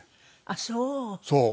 あっそう！